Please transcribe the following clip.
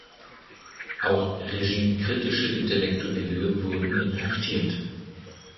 Auch regimekritische Intellektuelle wurden inhaftiert.